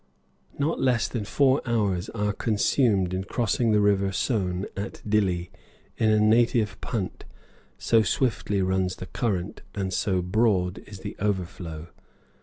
Not less than four hours are consumed in crossing the River Sone at Dilli in a native punt, so swiftly runs the current and so broad is the overflow.